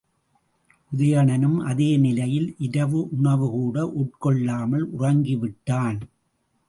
உதயணனும் அதே நிலையில் இரவு உணவுகூட உட்கொள்ளாமல் உறங்கிவிட்டான்.